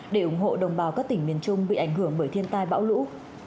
để ủng hộ đồng bào các tỉnh miền trung bị ảnh hưởng bởi thiên tai bão lũ